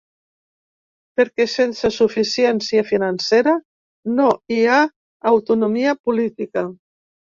Perquè sense suficiència financera no hi ha autonomia política.